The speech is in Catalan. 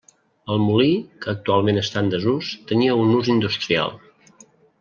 El molí, que actualment està en desús, tenia un ús industrial.